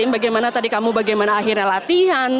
jadi bagaimana tadi kamu bagaimana akhirnya latihan